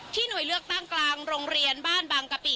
หน่วยเลือกตั้งกลางโรงเรียนบ้านบางกะปิ